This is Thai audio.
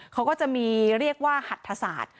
เขาก็จะมีเรียกว่าหัตถศาสตร์